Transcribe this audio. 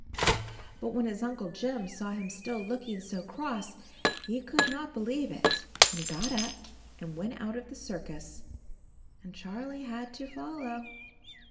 But when his Uncle Jim saw him still look ing so cross he could not believe it, and he got up and went out of the circus and Charlie had to follow.